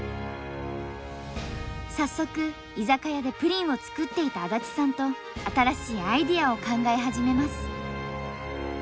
早速居酒屋でプリンを作っていた安達さんと新しいアイデアを考え始めます。